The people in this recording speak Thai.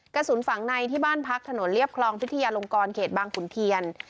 กระสุนฝังในที่บ้านพักถนนเรียบคลองพิทยาลงกรเขตบางขุนเทียน